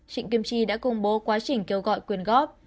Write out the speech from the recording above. trịnh kim chi đã công bố quá trình kêu gọi quyền góp